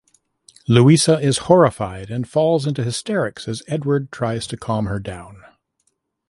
Louisa is horrified and falls into hysterics as Edward tries to calm her down.